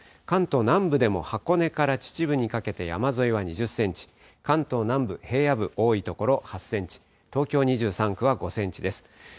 関東南部でも箱根から秩父にかけて山沿いは２０センチ、関東南部、平野部、多い所、８センチ、東京２３区は５センチです。